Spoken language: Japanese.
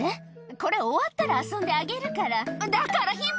これ終わったら遊んであげるから。